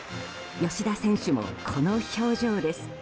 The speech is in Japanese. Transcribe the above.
吉田選手もこの表情です。